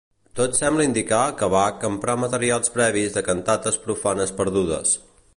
Tot sembla indicar que Bach emprà materials previs de cantates profanes perdudes.